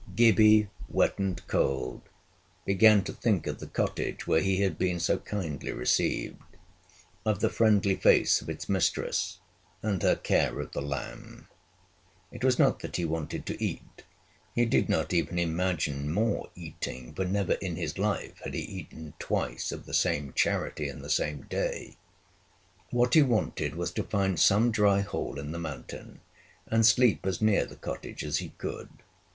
Gibbie, wet and cold, began to think of the cottage where he had been so kindly received, of the friendly face of its mistress, and her care of the lamb. It was not that he wanted to eat. He did not even imagine more eating, for never in his life had he eaten twice of the same charity in the same day. What he wanted was to find some dry hole in the mountain, and sleep as near the cottage as he could.